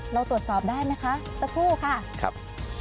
เราตรวจสอบได้ไหมคะสักครู่ค่ะครับ